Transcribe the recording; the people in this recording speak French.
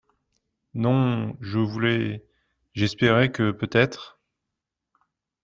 Non, je voulais… j’espérais que peut-être ?…